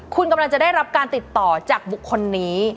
คุณกำลังจะได้รับการติดต่อจากบุคคลนี้